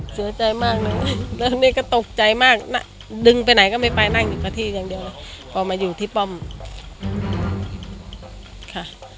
เสียใจมากแล้วนะนี่กะตกใจมากดึงไปไหนก็ไม่ไปนั่งที่ก็ที่อ่ะพอมาอยู่ที่ปำ